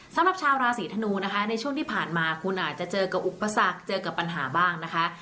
สำหรับชาวราศีธนูนะคะในช่วงที่ผ่านมาคุณอาจจะเจอกับอุปสรรคเจอกับปัญหาบ้างนะคะ